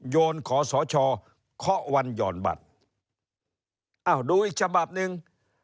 โยนขอสชเคาะวันหย่อนบัตรอ้าวดูอีกฉบับหนึ่ง